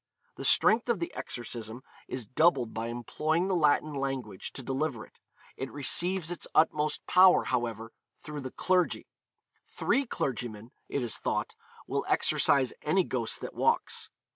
The strength of the exorcism is doubled by employing the Latin language to deliver it; it receives its utmost power, however, through the clergy; three clergymen, it is thought, will exorcise any ghost that walks.